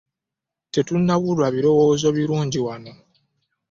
Tetunnabulwa birowoozo birungi wano.